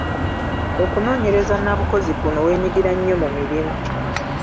Okunoonyereza nnabukozi kuno weenyigira nnyo mu mulimu.